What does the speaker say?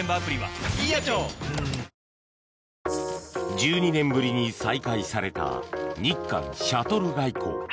１２年ぶりに再開された日韓シャトル外交。